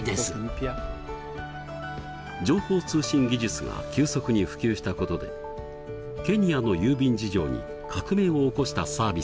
情報通信技術が急速に普及したことでケニアの郵便事情に革命を起こしたサービスがあります。